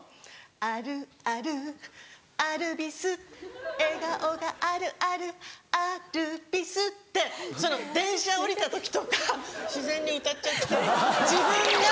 あるあるアルビスえがおがあるあるアルビスって電車降りた時とか自然に歌っちゃってる自分が。